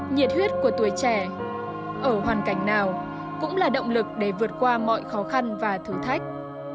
nhiệt huyết của tuổi trẻ ở hoàn cảnh nào cũng là động lực để vượt qua mọi khó khăn và thử thách